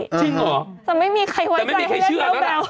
จริงเหรอแต่ไม่มีใครเชื่อแล้วแบบนั้นไม่มีใครให้เล่นไม่รู้